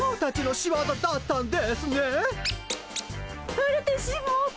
バレてしもうた。